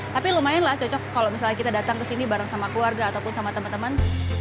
tapi lumayan lah cocok kalau misalnya kita datang ke sini bareng sama keluarga ataupun sama teman teman